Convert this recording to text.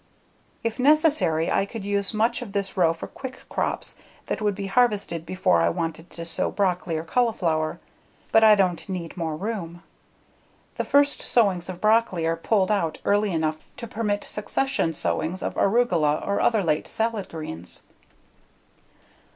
If necessary I could use much of this row for quick crops that would be harvested before I wanted to sow broccoli or cauliflower, but I don't need more room. The first sowings of broccoli are pulled out early enough to permit succession sowings of arugula or other late salad greens.